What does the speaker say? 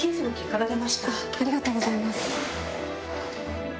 ありがとうございます。